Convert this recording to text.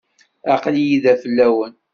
Aql-iyi da fell-awen.